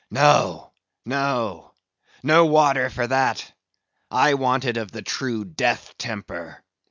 "No, no—no water for that; I want it of the true death temper.